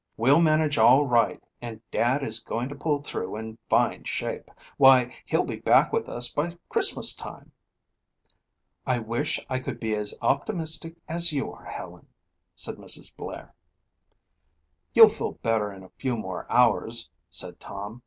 "We'll manage all right and Dad is going to pull through in fine shape. Why, he'll be back with us by Christmas time." "I wish I could be as optimistic as you are, Helen," said Mrs. Blair. "You'll feel better in a few more hours," said Tom.